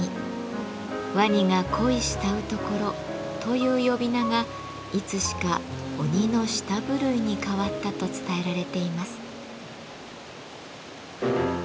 ワニが恋い慕うところという呼び名がいつしか「鬼の舌震」に変わったと伝えられています。